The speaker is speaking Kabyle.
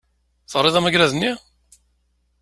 Taɣriḍ amagrad-nni?